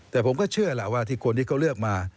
แต่ผมก็เชื่อล่ะว่าที่คนที่เขาเลือกมา